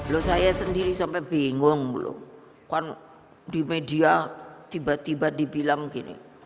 loh saya sendiri sampai bingung loh kan di media tiba tiba dibilang gini